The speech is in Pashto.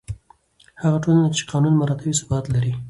هغه ټولنه چې قانون مراعتوي، ثبات لري.